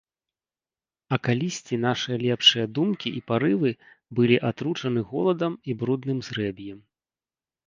А калісьці нашы лепшыя думкі і парывы былі атручаны голадам і брудным зрэб'ем.